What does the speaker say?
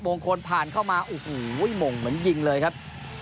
โมงคลผ่านเข้ามาโมงเหมือนยิงเลยครับ